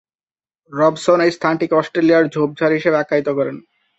Robson এই স্থানটিকে "অস্ট্রেলিয়ার ঝোপঝাড়" হিসেবে আখ্যায়িত করেন।